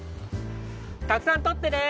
たくさんとってね！